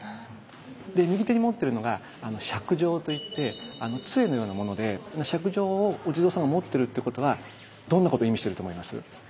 右手に持ってるのが「錫杖」といって杖のようなもので錫杖をお地蔵さんが持ってるということはどんなこと意味してると思います？